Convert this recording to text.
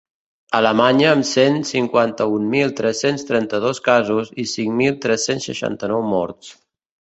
Alemanya, amb cent cinquanta-un mil tres-cents trenta-dos casos i cinc mil tres-cents seixanta-nou morts.